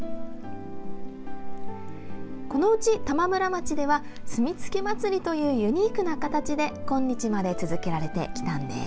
このうち玉村町ではすみつけ祭というユニークな形で今日まで続けられてきたんです。